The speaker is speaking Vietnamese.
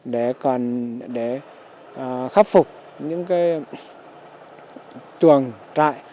để khắc phục những chuồng trại